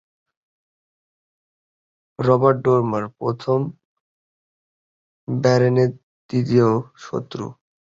Robert Dormer, প্রথম ব্যারনের তৃতীয় পুত্র।